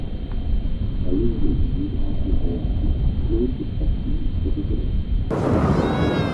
La levée du drapeau olympique clôt cette partie protocolaire.